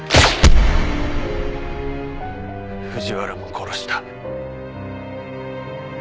藤原も殺した。